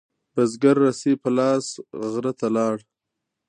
بزگر رسۍ په لاس غره ته لاړ.